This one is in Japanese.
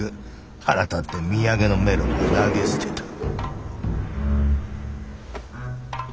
腹立って土産のメロンは投げ捨てた」。